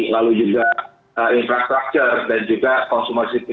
lalu juga infrastruktur dan juga konsumen